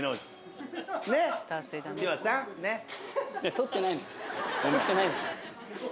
取ってないの。